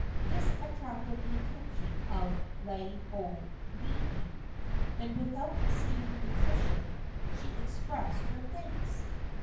This attracted the attention of Laielohelohe, and, without seeing the musician, she expressed her thanks.